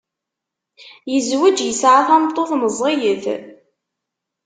Yezweǧ yesɛa tameṭṭut meẓẓiyet.